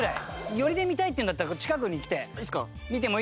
寄りで見たいっていうんだったら近くに来て見てもいいですよ。